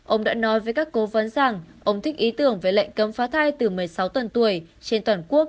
ông đã nói với các cố vấn rằng ông thích ý tưởng về lệnh cấm phá thai từ một mươi sáu tuần tuổi trên toàn quốc